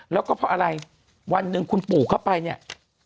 แล้วก็เพราะอะไรวันหนึ่งคุณปู่เข้าไปเนี่ย